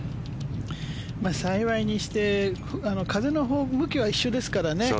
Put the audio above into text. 幸いにして風の向きは一緒ですからね。